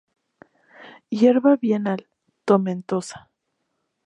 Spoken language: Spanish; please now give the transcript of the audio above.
Hierba bienal, tomentosa.